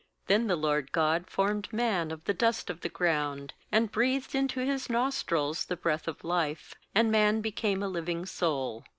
7Then the LORD God formed man of the dust of the ground, and breathed into his nostrils the breath of life; and man became a living soul.